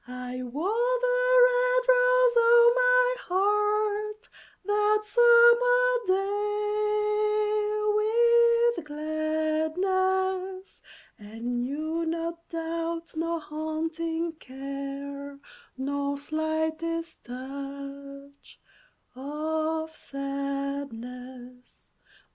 I wore the red rose o'er my heart, That summer day with gladness, And knew not doubt nor haunting care, Nor slightest touch of sadness.